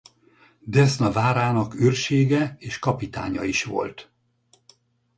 Desna várának őrsége és kapitánya is volt.